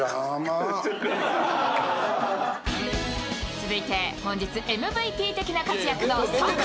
続いて、本日ＭＶＰ的な活躍の酒井。